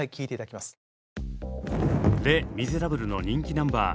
「レ・ミゼラブル」の人気ナンバー